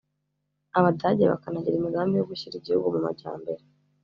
Abadage bakanagira imigambi yo gushyira igihugu mu majyambere